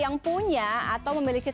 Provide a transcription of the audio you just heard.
ya tidak hanya di indonesia sendiri